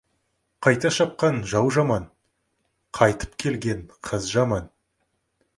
Қайта шапқан жау жаман, қайтып келген қыз жаман.